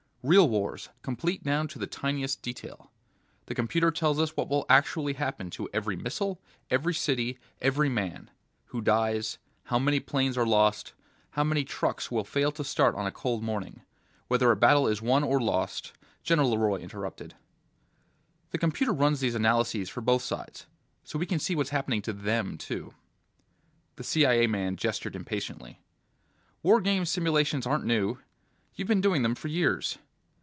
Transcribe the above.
Real wars, complete down to the tiniest detail. The computer tells us what will actually happen to every missile, every city, every man ... who dies, how many planes are lost, how many trucks will fail to start on a cold morning, whether a battle is won or lost ..." General LeRoy interrupted. "The computer runs these analyses for both sides, so we can see what's happening to Them, too." The CIA man gestured impatiently. "War games simulations aren't new. You've been doing them for years."